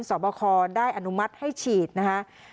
สอบคอได้อนุมัติให้ฉีดนะคะ